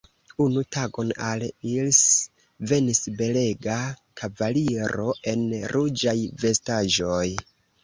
Unu tagon al Is venis belega kavaliro en ruĝaj vestaĵoj.